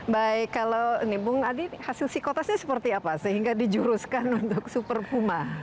baik kalau ini bung adi hasil si kotasnya seperti apa sehingga di juruskan untuk super puma